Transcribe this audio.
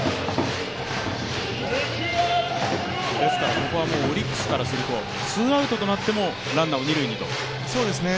ここはオリックスからするとツーアウトとなってもランナーを二塁にと。